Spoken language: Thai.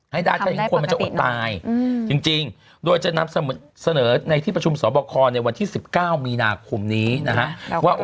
ทำได้ประปิดเนอะจริงโดยจะนำเสนอในที่ประชุมสวบคลในวันที่๑๙มีนาคมนี้นะฮะ